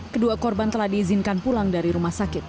kedua korban telah diizinkan pulang dari rumah sakit